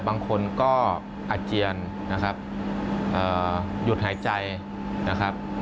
บางคนก็อาเจียนนะครับหยุดหายใจนะครับ